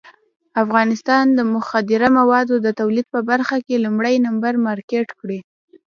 افغانستان یې د مخدره موادو د تولید په برخه کې لومړی نمبر مارکېټ کړی.